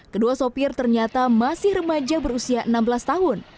kedua sopir ternyata masih remaja berusia enam belas tahun